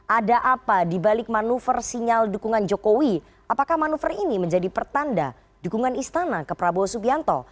ada apa dibalik manuver sinyal dukungan jokowi apakah manuver ini menjadi pertanda dukungan istana ke prabowo subianto